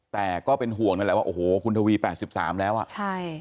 แต่ก็เป็นห่วงนั่นแหละว่าโอ้โหคุณทวี๘๓แล้วอ่ะใช่